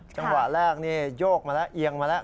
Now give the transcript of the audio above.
จังหวะแรกนี่โยกมาแล้วเอียงมาแล้ว